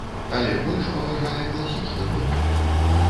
Але больш паважае класічны рок.